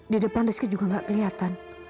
di depan rizki juga gak kelihatan